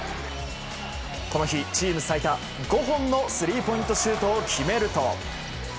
この日、チーム最多５本のスリーポイントシュートを決めると。